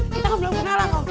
kita gak kenal kok